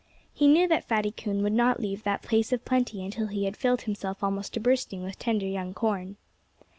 He knew that Fatty Coon would not leave that place of plenty until he had filled himself almost to bursting with tender young corn.